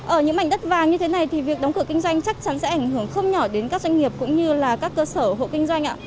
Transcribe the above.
ở những mảnh đất vàng như thế này thì việc đóng cửa kinh doanh chắc chắn sẽ ảnh hưởng không nhỏ đến các doanh nghiệp cũng như là các cơ sở hộ kinh doanh ạ